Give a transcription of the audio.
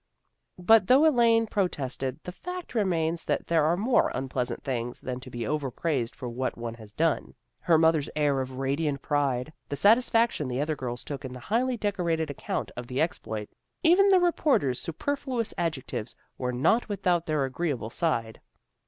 But though Elaine protested, the fact remains that there are more unpleasant things than to be overpraised for what one has done. Her mother's air of radiant pride, the satisfaction the other girls took in the highly decorated account of the exploit, even the reporter's superfluous adjectives were not without their agreeable side.